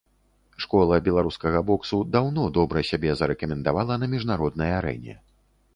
Школа беларускага боксу даўно добра сябе зарэкамендавала на міжнароднай арэне.